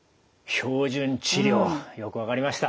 標準治療よく分かりました。